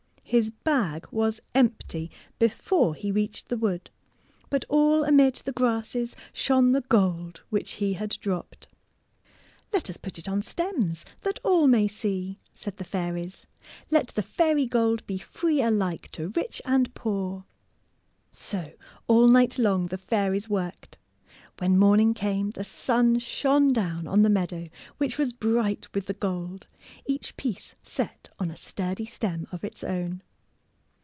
His bag was empty before he reached the 134 THE BUTTERCUP wood, but all amid the grasses shone the gold which he had dropped. ^' Let us put it on stems, that all may see,'' said the fairies. " Let the fairy gold be free alike to rich and poor! " So all night long the fairies worked. When morning came the sim shone down on the meadow which was bright with the gold, each piece set on a sturdy stem of its own.